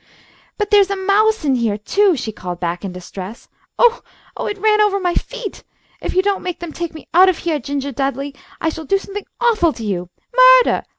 "But there's a mouse in heah, too," she called back, in distress. "Oo! Oo! It ran ovah my feet. If you don't make them take me out of heah, Gingah Dudley, I'll do something awful to you! Murdah!